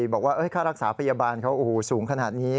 บอกว่าค่ารักษาพยาบาลเขาสูงขนาดนี้